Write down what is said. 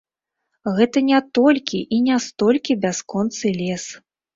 Гэта не толькі і не столькі бясконцы лес.